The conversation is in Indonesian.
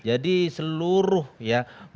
jadi seluruh ya masukan yang kritik